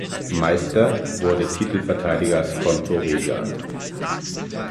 Meister wurde Titelverteidiger Skonto Riga.